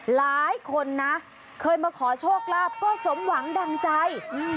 หลายคนนะเคยมาขอโชคลาภก็สมหวังดังใจ